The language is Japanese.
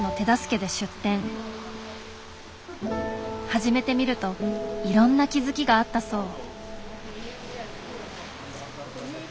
始めてみるといろんな気付きがあったそう。